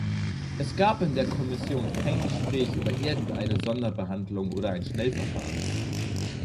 Es gab in der Kommission kein Gespräch über irgendeine Sonderbehandlung oder ein Schnellverfahren.